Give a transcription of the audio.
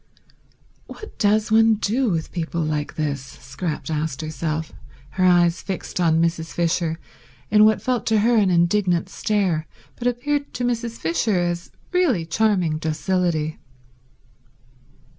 "What does one do with people like this?" Scrap asked herself, her eyes fixed on Mrs. Fisher in what felt to her an indignant stare but appeared to Mrs. Fisher as really charming docility.